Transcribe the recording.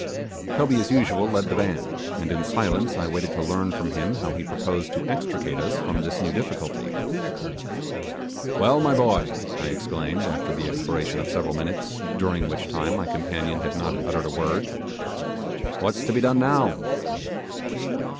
Toby as usual led the van, and in silence I waited to learn from him how he proposed to extricate us from this new difficulty. 'Well, my boy,' I exclaimed, after the expiration of several minutes, during which time my companion had not uttered a word, 'what's to be done now?